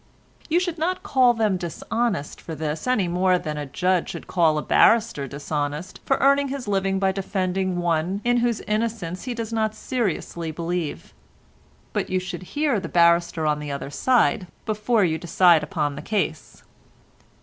You should not call them dishonest for this any more than a judge should call a barrister dishonest for earning his living by defending one in whose innocence he does not seriously believe; but you should hear the barrister on the other side before you decide upon the case."